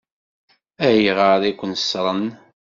Ayɣer i ken-ṣṣṛen?